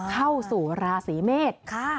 เข้าสู่ราศีเมษ